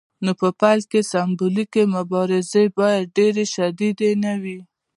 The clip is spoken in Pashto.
نو په پیل کې سمبولیکې مبارزې باید ډیرې شدیدې نه وي.